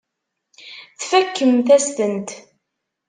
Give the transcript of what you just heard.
Tfakemt-as-tent.